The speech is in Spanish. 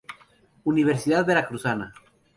Universidad Veracruzana.